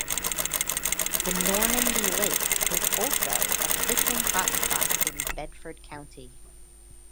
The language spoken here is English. The Normandy lake is also a fishing hot spot in Bedford county.